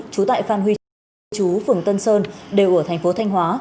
chú tại phan huy trang chú tại phường tân sơn đều ở thành phố thanh hóa